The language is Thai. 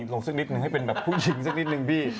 ลงสักนิดนึงให้เป็นแบบผู้หญิงสักนิดนึงพี่